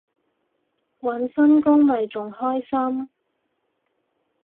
搵新工咪仲開心